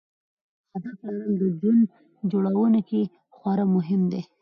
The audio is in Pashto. هدف لرل د ژوند جوړونې کې خورا مهم دی.